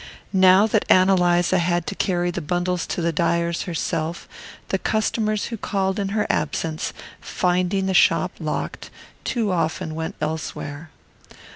Now that Ann Eliza had to carry the bundles to the dyer's herself, the customers who called in her absence, finding the shop locked, too often went elsewhere.